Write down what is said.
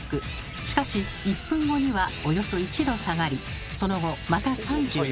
しかし１分後にはおよそ１℃下がりその後また３６℃に。